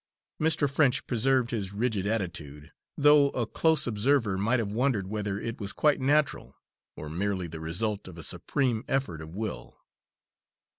Mr. French preserved his rigid attitude, though a close observer might have wondered whether it was quite natural, or merely the result of a supreme effort of will.